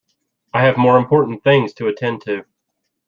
I have more important things to attend to.